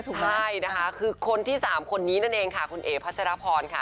ใช่นะคะคือคนที่๓คนนี้นั่นเองค่ะคุณเอ๋พัชรพรค่ะ